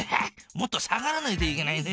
もっと下がらないといけないな。